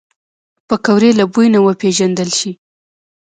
پکورې له بوی نه وپیژندل شي